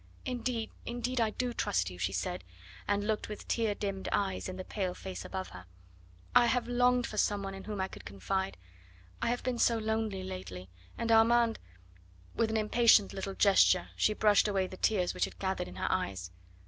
"Indeed, indeed, I do trust you," she said, and looked with tear dimmed eyes in the pale face above her. "I have longed for some one in whom I could confide. I have been so lonely lately, and Armand " With an impatient little gesture she brushed away the tears which had gathered in her eyes.